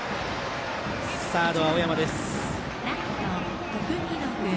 サードは尾山です。